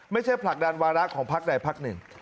ไม่ใช่ผลักดันวาระของภาคใดภาคหนึ่ง